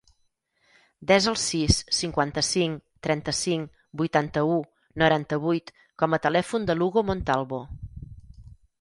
Desa el sis, cinquanta-cinc, trenta-cinc, vuitanta-u, noranta-vuit com a telèfon de l'Hugo Montalvo.